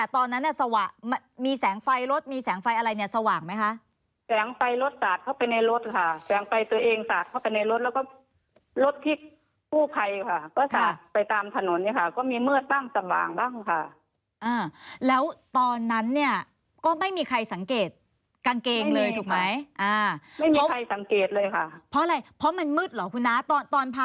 ตอนพาน้ำหวานออกมาแล้วมันมืดหรอคะ